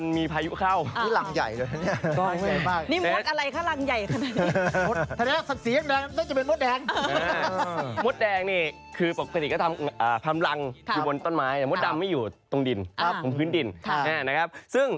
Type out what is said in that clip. มดแดงนี่คือปกติกลับทำลังอยู่บนต้นไม้แต่มดดำไม่อยู่ตรงดินของพื้นดิน